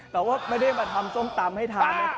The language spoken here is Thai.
แต่ว่าไม่ได้มาทำส้มตำให้ทานนะ